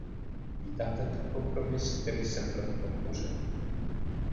Vítám tento kompromis, který jsem proto podpořil.